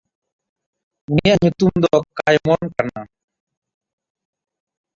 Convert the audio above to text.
ᱩᱱᱤᱭᱟᱜ ᱧᱩᱛᱩᱢ ᱫᱚ ᱠᱟᱭᱢᱟᱱ ᱠᱟᱱᱟ᱾